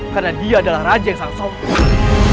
karena dia adalah raja yang sang sombong